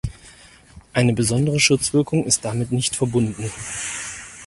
Eine besondere Schutzwirkung ist damit nicht verbunden.